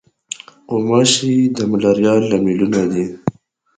غوماشې د ملاریا له لاملونو دي.